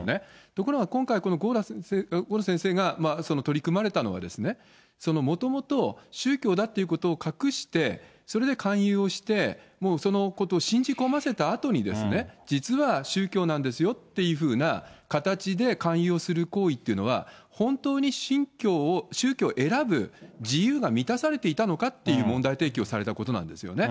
ところが、今回、この郷路先生が取り組まれたのは、そのもともと宗教だっていうことを隠して、それで勧誘をして、もうそのことを信じ込ませたあとに、実は宗教なんですよっていうふうな形で勧誘をする行為っていうのは、本当に宗教を選ぶ自由が満たされていたのかっていう問題提起をされたことなんですよね。